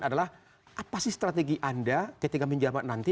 adalah apa sih strategi anda ketika menjabat nanti